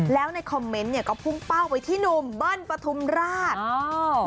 แล้วในคอมเมนต์เนี่ยก็พุ่งเป้าไปที่หนุ่มเบิ้ลปฐุมราชอ๋อ